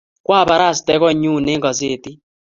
kwabarastee konyuu eng kasetit